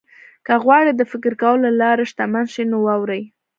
که غواړئ د فکر کولو له لارې شتمن شئ نو واورئ.